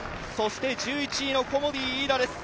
１１位のコモディイイダです。